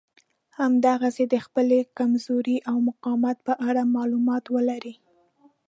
همداسې د خپلې کمزورۍ او مقاومت په اړه مالومات ولرئ.